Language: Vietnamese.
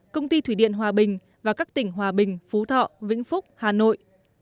công ty thủy điện hòa bình và các tỉnh hòa bình phú thọ vĩnh phúc hà nội